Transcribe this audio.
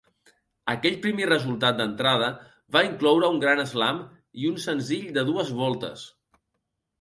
Aquell primer resultat d'entrada va incloure un gran eslam i un senzill de dues voltes.